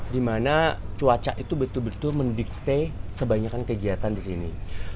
dimana cuaca itu betul betul mendikte sebanyak kegiatan disini